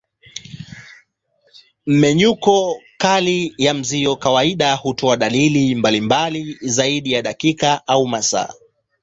Mmenyuko kali ya mzio kawaida hutoa dalili mbalimbali zaidi ya dakika au masaa.